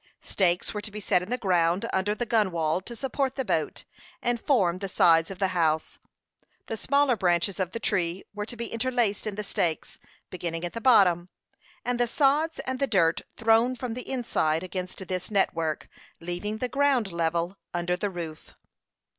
Stakes were to be set in the ground under the gunwale to support the boat, and form the sides of the house. The smaller branches of the tree were to be interlaced in the stakes, beginning at the bottom, and the sods and the dirt thrown from the inside against this network, leaving the ground level under the roof.